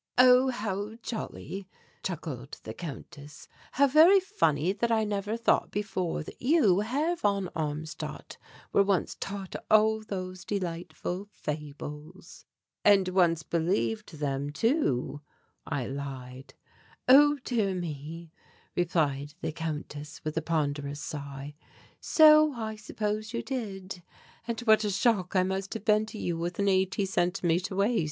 "Oh, how jolly!" chuckled the Countess. "How very funny that I never thought before that you, Herr von Armstadt, were once taught all those delightful fables." "And once believed them too," I lied. "Oh, dear me," replied the Countess, with a ponderous sigh, "so I suppose you did. And what a shock I must have been to you with an eighty centimetre waist."